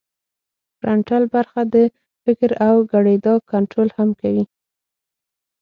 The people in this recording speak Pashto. فرنټل برخه د فکر او ګړیدا کنترول هم کوي